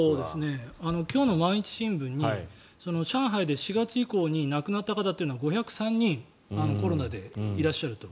今日の毎日新聞に上海で４月以降に亡くなった方は５０３人コロナでいらっしゃると。